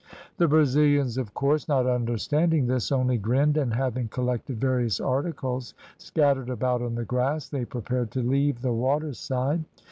The Brazilians, of course, not understanding this, only grinned, and having collected various articles scattered about on the grass, they prepared to leave the waterside.